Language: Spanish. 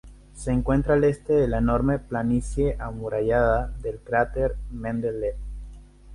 Se encuentra al este de la enorme planicie amurallada del cráter Mendeleev.